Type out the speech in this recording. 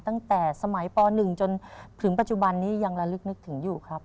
ตั้งแต่สมัยป๑จนถึงปัจจุบันนี้ยังระลึกนึกถึงอยู่ครับ